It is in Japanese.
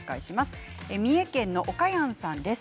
三重県の方からです。